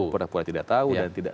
pura pura tidak tahu dan tidak